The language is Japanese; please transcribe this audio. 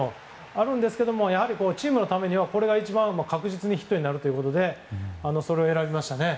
あるんですけれども、やはりチームのためにはこれが一番確実にヒットになるということでそれを選びましたね。